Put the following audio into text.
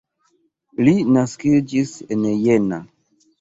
Li naskiĝis en Jena.